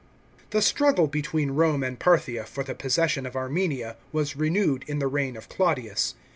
THE struggle between Rome and Parthia for the possession of Armenia, was renewed in the reign of Claudius.